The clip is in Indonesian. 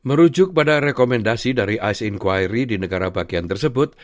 merujuk pada rekomendasi dari ice inquiry di negara bagian tersebut